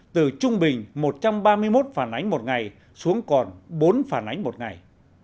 từ trung bình một trăm ba mươi một phản ánh một ngày xuống còn bốn phản ánh một ngày